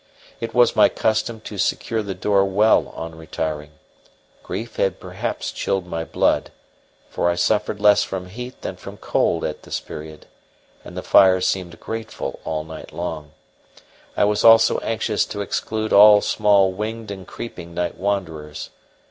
It was my custom to secure the door well on retiring; grief had perhaps chilled my blood, for I suffered less from heat than from cold at this period, and the fire seemed grateful all night long; I was also anxious to exclude all small winged and creeping night wanderers.